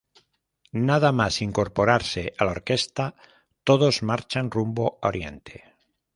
Nada más incorporarse a la orquesta, todos marchan rumbo a Oriente.